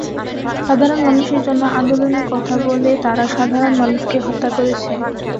সাধারণ মানুষের জন্য আন্দোলনের কথা বলে তারা সাধারণ মানুষকেই হত্যা করেছে।